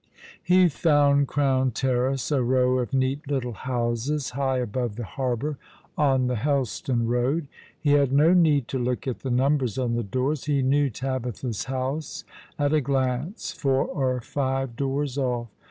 He found Crown Terrace, a row of neat little houses high above the harbour on the Helston road. He had no need to look at the numbers on the doors. He knew Tabitha's house at a glance, four or five doors off.